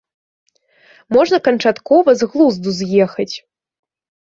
Можна канчаткова з глузду з'ехаць.